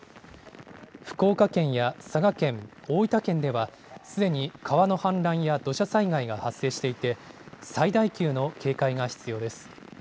福岡県や佐賀県、大分県では、すでに川の氾濫や土砂災害が発生していて、最大級の警戒が必要です。